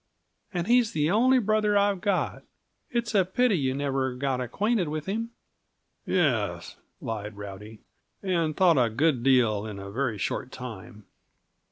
And he's the only brother I've got. It's a pity you never got acquainted with him." "Yes," lied Rowdy, and thought a good deal in a very short time.